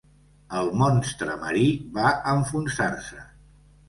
El "monstre marí" va enfonsar-se.